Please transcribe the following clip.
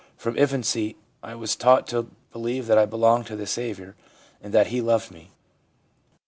From infancy I was taught to believe that I belonged to the Saviour, and that He loved me.